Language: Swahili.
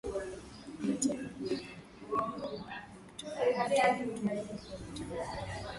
miti ya migunga na mbabara au mturituri umetawala